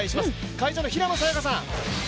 会場の平野早矢香さん